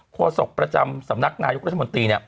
ขอสกประจำสำนักนายกราชมนตรี